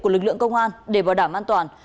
của lực lượng công an để bảo đảm an toàn